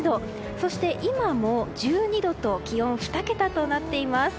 そして今も１２度と気温２桁となっています。